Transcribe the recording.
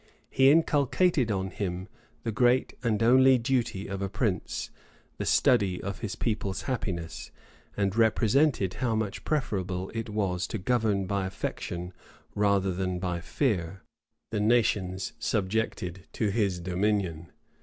[*] He inculcated on him the great and only duty of a prince, the study of his people's happiness; and represented how much preferable it was to govern by affection, rather than by fear, the nations subjected to his dominion.